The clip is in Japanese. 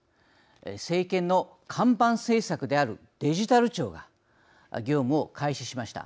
政権の看板政策であるデジタル庁が業務を開始しました。